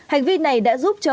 hành vi này đã giúp cho